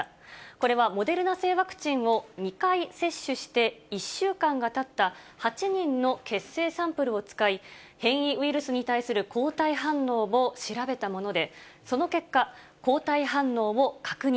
これはモデルナ製ワクチンを２回接種して、１週間がたった８人の血清サンプルを使い、変異ウイルスに対する抗体反応を調べたもので、その結果、抗体反応を確認。